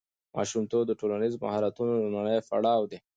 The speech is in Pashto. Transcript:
ماشومتوب د ټولنیز مهارتونو لومړنی پړاو دی.